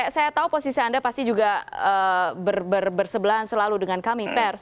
saya tahu posisi anda pasti juga bersebelahan selalu dengan kami pers